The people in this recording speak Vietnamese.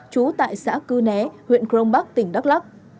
trú tại xã cư né huyện crong bắc tỉnh đắk lắc